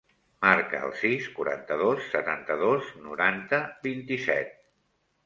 Marca el sis, quaranta-dos, setanta-dos, noranta, vint-i-set.